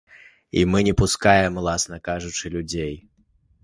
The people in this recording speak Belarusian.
І мы пускаем, уласна кажучы, людзей.